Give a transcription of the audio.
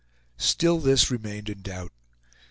Still this remained in doubt.